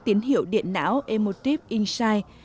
tiến hiệu điện não emotive insight